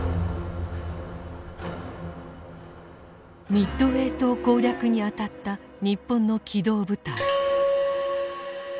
ミッドウェー島攻略にあたった日本の機動部隊。